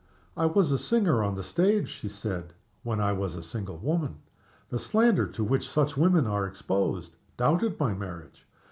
"I was a singer on the stage," she said, "when I was a single woman. The slander to which such women are exposed doubted my marriage.